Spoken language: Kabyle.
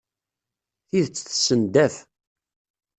Tidet tessendaf.